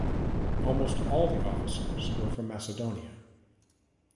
Almost all the officers were from Macedonia.